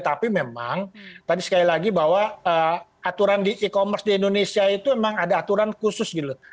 tapi memang tadi sekali lagi bahwa aturan di e commerce di indonesia itu memang ada aturan khusus gitu